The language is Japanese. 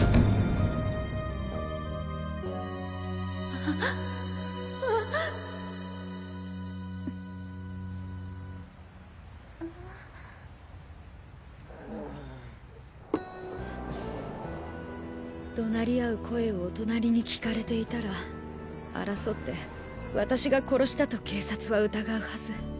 あああ怒鳴り合う声をおとなりに聞かれていたら争って私が殺したと警察は疑うはず。